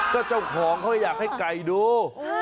ก็เจ้าของเขาอยากให้ไก่ดู